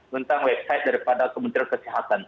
tentang website daripada kementerian kesehatan